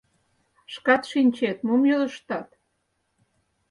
Шкат шинчет, мом йодыштат?